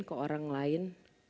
ke orang lain